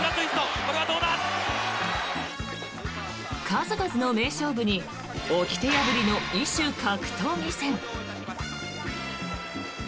数々の名勝負に掟破りの異種格闘技戦。